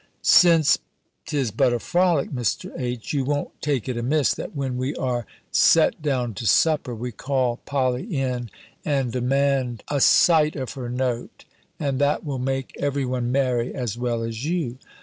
"Since, 'tis but a frolic, Mr. H., you won't take it amiss, that when we are set down to supper, we call Polly in, and demand a sight of her note, and that will make every one merry as well as you."